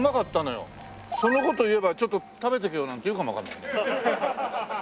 その事言えば「ちょっと食べてけよ」なんて言うかもわかんない。